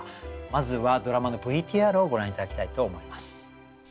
まずはドラマのＶＴＲをご覧頂きたいと思います。